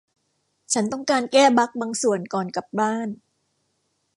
ฉันต้องการแก้บัคบางส่วนก่อนกลับบ้าน